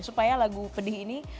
supaya lagu pedih ini